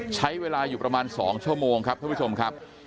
ใช้เวลาอยู่ประมาณ๒ชั่วโมงครับท่านผู้ชมครับ